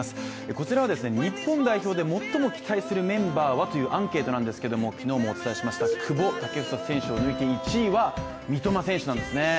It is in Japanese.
こちらは日本代表で最も期待するメンバーは？というアンケートなんですけども、昨日もお伝えしました久保建英選手を抜いて１位は、三笘選手なんですね。